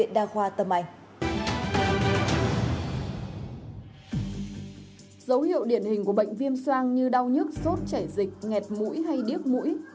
dấu hiệu điển hình của bệnh viêm soang như đau nhức sốt chảy dịch nghẹt mũi hay điếc mũi